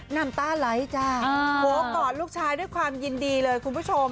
น้ำตาไหลจ้าโผล่กอดลูกชายด้วยความยินดีเลยคุณผู้ชม